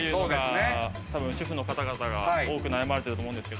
主婦の方々が悩まれていると思うんですけど。